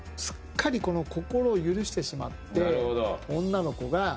すっかり心を許してしまって女の子が。